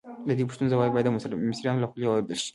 د دې پوښتنو ځواب باید د مصریانو له خولې واورېدل شي.